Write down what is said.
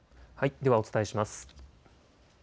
ではお伝えします。